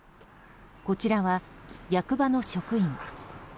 こちらは役場の職員。